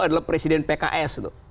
adalah presiden pks